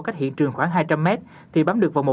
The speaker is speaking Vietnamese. cách hiện trường khoảng hai trăm linh m thì bám được vào